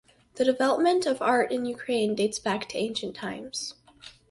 The development of art in Ukraine dates back to ancient times.